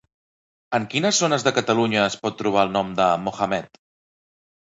En quines zones de Catalunya es pot trobar el nom de Mohamed?